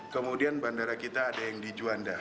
kemudian bandara kita ada yang di juanda